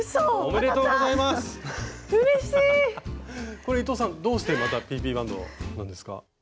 これ伊藤さんどうしてＰＰバンドなんですか？